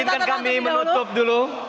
ijinkan kami menutup dulu